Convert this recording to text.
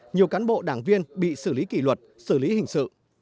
nhiều cán bộ đảng viên bị xử lý kỷ luật xử lý hình sự